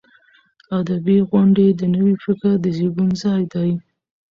ادبي غونډې د نوي فکر د زیږون ځای دی.